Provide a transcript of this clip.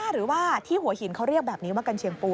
หรือว่าที่หัวหินเขาเรียกแบบนี้ว่ากัญเชียงปู